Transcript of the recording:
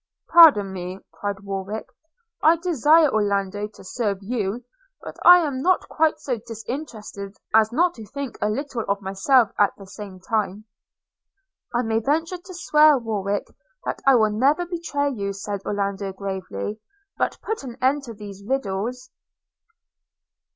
'Pardon me,' cried Warwick; 'I desire, Orlando, to serve you; but I am not quite so disinterested as not to think a little of myself, at the same time –' 'I may venture to swear, Warwick, that I will never betray you,' said Orlando gravely; 'but put an end to these riddles.'